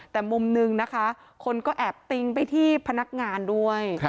แต่มุมหนึ่งนะคะคนก็แอบติ้งไปที่พนักงานด้วย